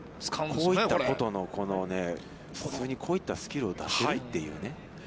こういったことの、普通にこういったスキルを出せるというね。